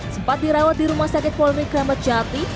sempat dirawat di rumah sakit polri kramat jati